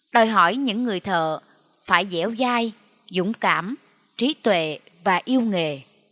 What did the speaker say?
đòi hỏi những người thợ phải dẻo dai dũng cảm trí tuệ và yêu nghề